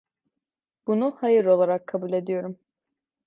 Bunu hayır olarak kabul ediyorum.